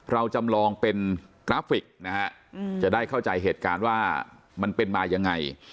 เราจำลองเป็นกราฟิกนะฮะจะได้เข้าใจเหตุการณ์ว่ามันเป็นมายังไง